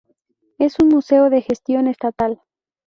Es un museo de gestión estatal.